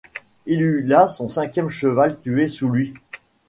Il eut là son cinquième cheval tué sous lui.